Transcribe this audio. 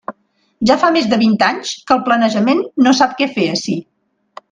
Ja fa més de vint anys que el planejament no sap què fer ací.